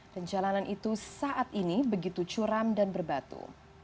jalanan itu saat ini begitu curam dan berbatu